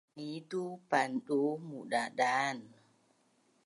nitu pandu mudadan